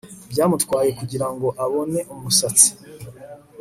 byamutwaye kugirango abone umusatsi